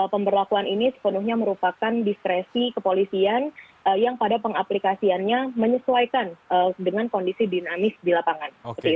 pemberlakuan ini sepenuhnya merupakan diskresi kepolisian yang pada pengaplikasiannya menyesuaikan dengan kondisi dinamis di lapangan